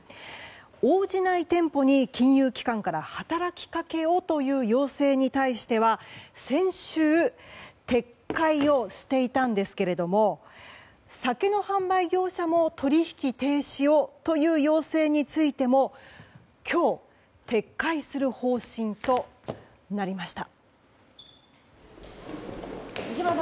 応じない店舗に金融機関から働きかけをという要請に対しては先週、撤回をしていたんですが酒の販売業者も取引停止をという要請についても今日撤回する方針となりました。